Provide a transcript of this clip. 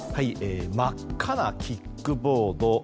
真っ赤なキックボード。